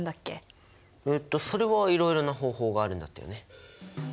えっとそれはいろいろな方法があるんだったよね。